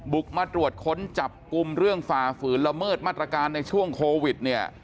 บุกมาตรวจค้นจับกุมเรื่องฝ่าฝืนละเมิดมัตรการในช่วงโควิด